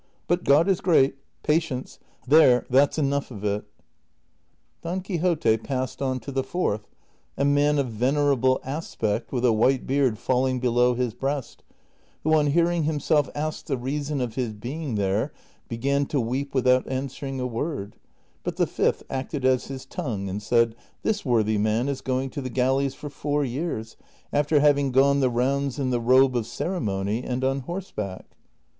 But God is great ; patienf e — there, that 's enough of it." • Trov. 32. >> Prov. 126. CHAPTER XXII. 161 Don Quixote passed on to the fourth, a man of venerable aspect with a white beard falling below his breast, who on hear ing himself asked the reason of his being there began to weep withouf answering a word, but the fifth acted as his tongue and said, " This worthy man is going to the galleys for four years, after having gone the rounds in the robe of ceremony and on horseback."